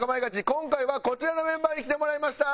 今回はこちらのメンバーに来てもらいました。